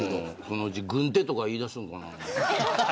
そのうち軍手とか言い出すのかな。